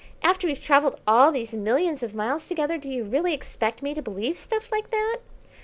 After we've travelled all these millions of miles together do you really expect me to believe stuff like that?"